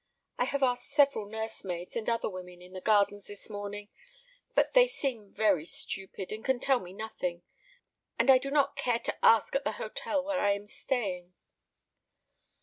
I have asked several nursemaids, and other women, in the gardens this morning; but they seem very stupid, and can tell me nothing; and I do not care to ask at the hotel where I am staying."